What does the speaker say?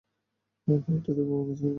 আমরা এটাতে ফোকাস করব।